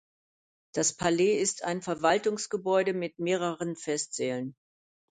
Das Palais ist ein Verwaltungsgebäude mit mehreren Festsälen.